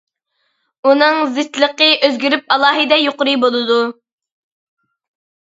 ئۇنىڭ زىچلىقى ئۆزگىرىپ ئالاھىدە يۇقىرى بولىدۇ.